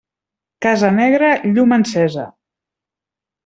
Casa negra, llum encesa.